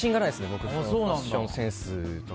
僕、ファッションセンスとか。